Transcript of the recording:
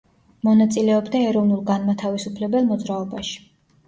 მონაწილეობდა ეროვნულ-განმათავისუფლებელ მოძრაობაში.